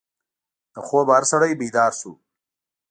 د خوبه هر سړی بیدار شو.